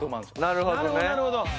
なるほどなるほど。